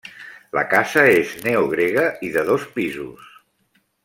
La casa és neogrega i de dos pisos.